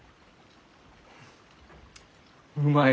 うまい。